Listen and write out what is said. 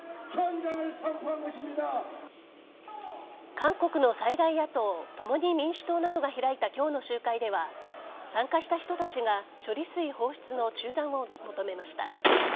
韓国の最大野党共に民主党などが開いた今日の集会では参加した人たちが処理水放出の中断を求めました。